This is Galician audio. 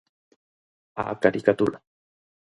Á caricatura.